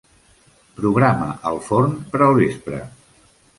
Programa el forn per al vespre.